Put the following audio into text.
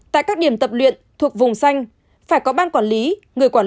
tại các điểm tập luyện thuộc vùng xanh phải có ban quản lý người quản